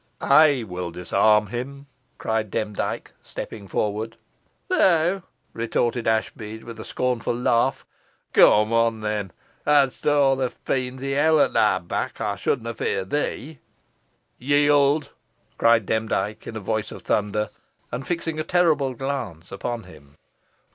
"I will disarm him," cried Demdike, stepping forward. "Theaw!" retorted Ashbead, with a scornful laugh, "Cum on, then. Hadsta aw t' fiends i' hell at te back, ey shouldna fear thee." "Yield!" cried Demdike in a voice of thunder, and fixing a terrible glance upon him.